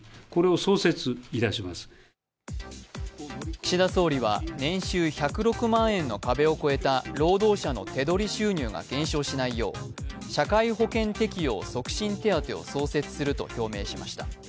岸田総理は年収１０６万円の壁を超えた労働者の手取り収入が減少しないよう社会保険適用促進手当を創設すると表明しました。